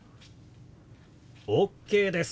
ＯＫです。